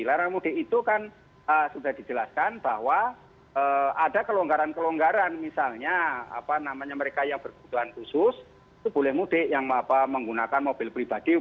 larangan mudik itu kan sudah dijelaskan bahwa ada kelonggaran kelonggaran misalnya apa namanya mereka yang berkebutuhan khusus itu boleh mudik yang menggunakan mobil pribadi